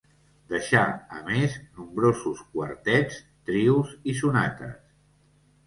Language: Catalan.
Deixà, a més, nombrosos quartets, trios i sonates.